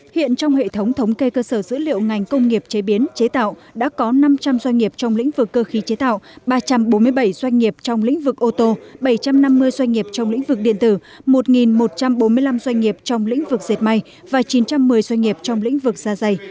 hiện trong hệ thống thống kê cơ sở dữ liệu ngành công nghiệp chế biến chế tạo đã có năm trăm linh doanh nghiệp trong lĩnh vực cơ khí chế tạo ba trăm bốn mươi bảy doanh nghiệp trong lĩnh vực ô tô bảy trăm năm mươi doanh nghiệp trong lĩnh vực điện tử một một trăm bốn mươi năm doanh nghiệp trong lĩnh vực dệt may và chín trăm một mươi doanh nghiệp trong lĩnh vực da dày